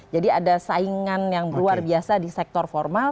jadi ada saingan yang luar biasa di sektor formal